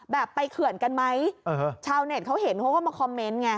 ไปเขื่อนกันไหมชาวเน็ตเขาเห็นเขาก็มาคอมเมนต์ไง